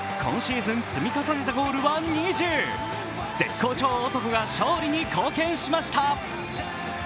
これで今シーズン積み重ねたゴールは２０絶好調男が勝利に貢献しました。